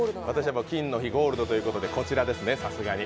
私は金の日、ゴールドということでこちらですね。